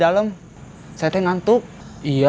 ambil tikar gini